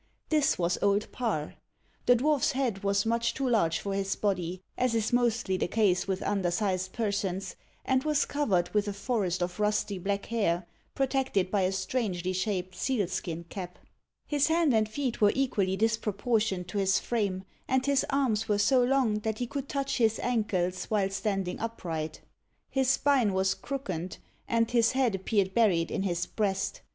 This was Old Parr. The dwarfs head was much too large for his body, as is mostly the case with undersized persons, and was covered with a forest of rusty black hair, protected by a strangely shaped seal skin cap. His hands and feet were equally disproportioned to his frame, and his arms were so long that he could touch his ankles while standing upright. His spine was crookened, and his head appeared buried in his breast.